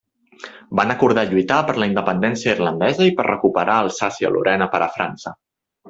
Van acordar lluitar per la independència irlandesa i per recuperar Alsàcia-Lorena per a França.